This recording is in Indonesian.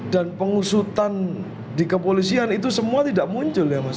dan pengusutan di kepolisian itu semua tidak muncul ya mas